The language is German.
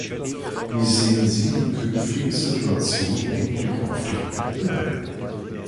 Wie sehen Sie die künftige Situation im Hinblick auf den Wettbewerb?